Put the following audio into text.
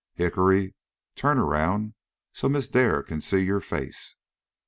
Hickory, turn around so Miss Dare can see your face.